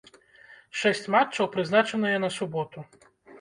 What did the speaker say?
Шэсць матчаў прызначаныя на суботу.